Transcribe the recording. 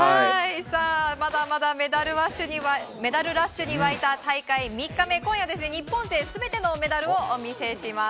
まだまだメダルラッシュに沸いた大会３日目今夜は日本勢全ての大会をお見せします。